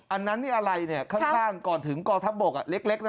อันนั้นนี่อะไรเนี่ยข้างก่อนถึงกองทัพบกเล็กนะ